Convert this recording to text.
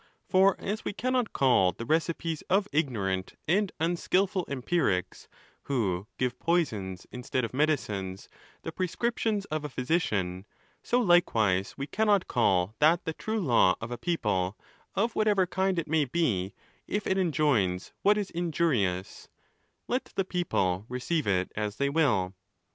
For as we cannot call the recipes of ignorant and unskilful empirics, who give poisons instead of medicines, the prescriptions of a physician, so likewise we cannot call that the true law of a people, of whatever kind it may be, if it enjoins what is in jurious, let the people receive it as they will.